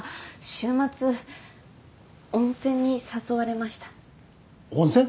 週末温泉に誘われました温泉？